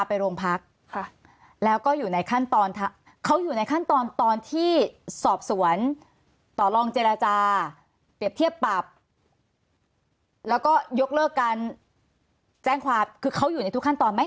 ปรับแล้วก็ยกเลิกกันแจ้งความคือเขาอยู่ในทุกขั้นตอนไหม